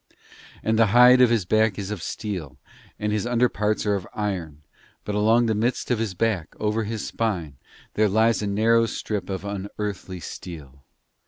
And the hide of his back is of steel, and his under parts are of iron; but along the midst of his back, over his spine, there lies a narrow strip of unearthly steel.